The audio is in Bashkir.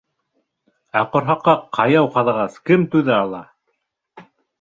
Ә ҡорһаҡҡа ҡаяу ҡаҙағас, кем түҙә ала?